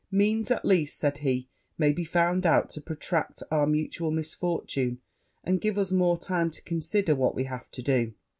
'Means, at least,' said he, 'might be found out to protract our mutual misfortune, and give us more time to consider what we have to do.'